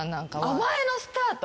甘えのスタート？